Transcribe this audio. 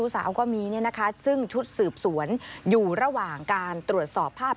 สาวก็มีเนี่ยนะคะซึ่งชุดสืบสวนอยู่ระหว่างการตรวจสอบภาพ